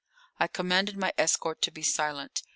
_] I commanded my escort to be silent.